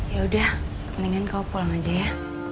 yaudah mendingan kau pulang aja ya